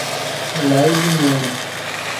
Alaide Moura